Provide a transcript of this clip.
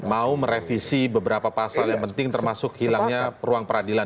mau merevisi beberapa pasal yang penting termasuk hilangnya ruang peradilan